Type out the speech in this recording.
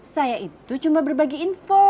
saya itu cuma berbagi info